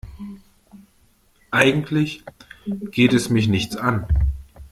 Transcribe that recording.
Eigentlich geht es mich nichts an.